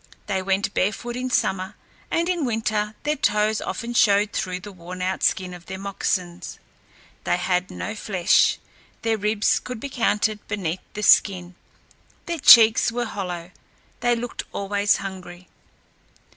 They went barefoot in summer, and in winter their toes often showed through the worn out skin of their moccasins. They had no flesh. Their ribs could be counted beneath the skin; their cheeks were hollow; they looked always hungry.